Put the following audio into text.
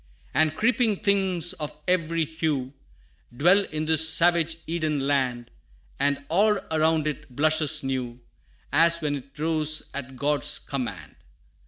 And creeping things of every hue, Dwell in this savage Eden land, And all around it blushes new, As when it rose at God's command.